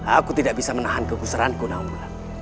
aku tidak bisa menahan keguseranku nawangulan